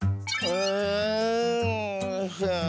うん。